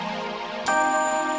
dan keseluruhan nama bang